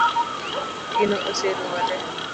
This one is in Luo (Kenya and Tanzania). Gino oserumo tee